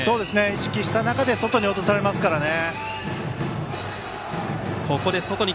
意識した中で外に落とされますからね。